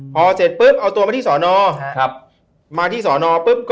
พอเสร็จปุ๊บเอาตัวมาที่สนมาที่สน